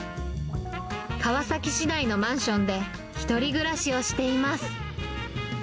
川崎市内のマンションで１人暮らしをしています。